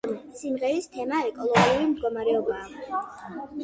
სიმღერის თემაა ეკოლოგიური მდგომარეობა.